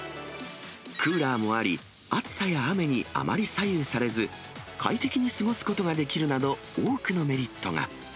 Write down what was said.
クーラーもあり、暑さや雨にあまり左右されず、快適に過ごすことができるなど、多くのメリットが。